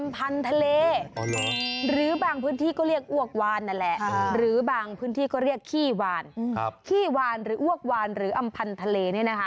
พื้นที่ก็เรียกขี้วานขี้วานหรืออ้วกวานหรืออำพันธ์ทะเลนี่นะคะ